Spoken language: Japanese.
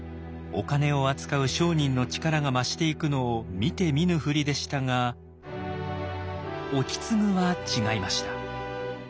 お金を扱う商人の力が増していくのを見て見ぬふりでしたが意次は違いました。